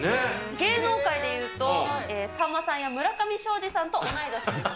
芸能界でいうとさんまさんや村上ショージさんと同い年です。